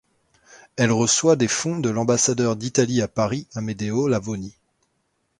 Elle reçoit des fonds de l'ambassadeur d'Italie à Paris, Amedeo Lavoni.